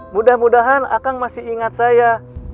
mudah mudahan akang masih ingat saya